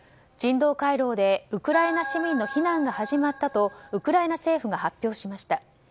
人道回廊でウクライナ市民の避難が始まったとウクライナ政府が発表しました。